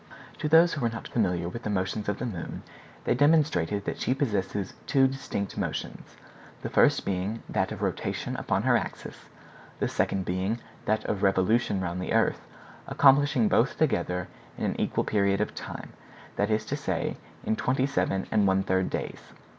To those who were not familiar with the motions of the moon, they demonstrated that she possesses two distinct motions, the first being that of rotation upon her axis, the second being that of revolution round the earth, accomplishing both together in an equal period of time, that is to say, in twenty seven and one third days.